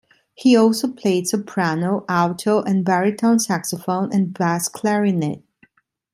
He also played soprano, alto, and baritone saxophone and bass clarinet.